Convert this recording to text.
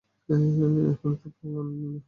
এখনও তো প্রামাণ হয় নাই।